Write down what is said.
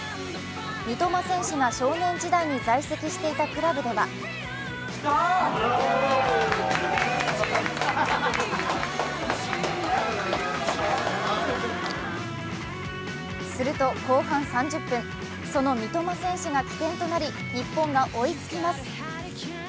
三笘選手が少年時代に在籍していたクラブではすると後半３０分、その三笘選手が起点となり日本が追いつきます。